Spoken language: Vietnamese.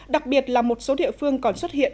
đặc biệt là một số địa phương còn xuất hiện